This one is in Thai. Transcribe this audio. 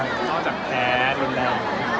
นอกจากแพ้ดนตรี